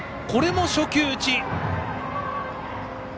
これも初球打ち！